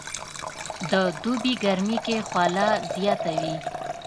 د دوبي ګرمي کې خوله زياته وي